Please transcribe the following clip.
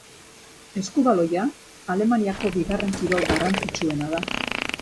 Eskubaloia Alemaniako bigarren kirol garrantzitsuena da.